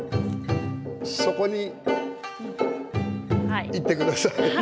そこに行ってください。